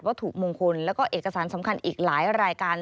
ถูกมงคลแล้วก็เอกสารสำคัญอีกหลายรายการ